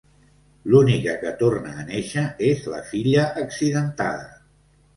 L'única que torna a néixer és la filla accidentada.